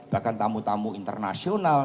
bahkan tamu tamu internasional